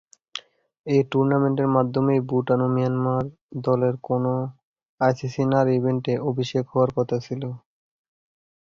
এ টুর্নামেন্টের মাধ্যমেই ভুটান ও মিয়ানমার দলের কোনও আইসিসি নারী ইভেন্টে অভিষেক হওয়ার কথা ছিল।